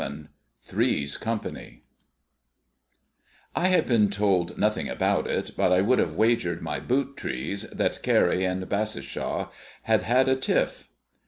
VII THREE'S COMPANY I had been told nothing about it, but I would have wagered my boot trees that Carrie and Bassishaw had had a tiff.